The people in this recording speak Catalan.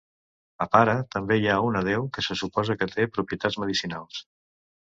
A Para també hi ha una deu que se suposa que té propietats medicinals.